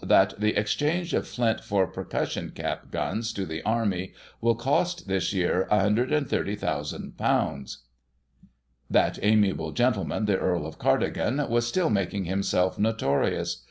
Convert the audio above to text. that "the exchange of flint for percussion cap guns to the Army, will cost, this year, ;£" 130,000." That amiable gentleman, the Earl of Cardigan, was still making himself notorious.